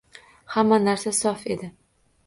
Hamma narsa sof edi